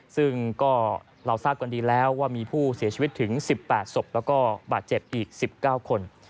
ซึ่งก็เราทราบกันดีแล้วว่ามีผู้เสียชีวิตถึง๑๘ศพแล้วก็บาดเจ็บอีก๑๙คน